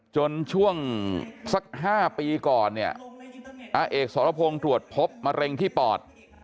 จนช่วงสัก๕ปีก่อนเนี่ยอาเอกสรพงศ์ตรวจพบมะเร็งที่ปอด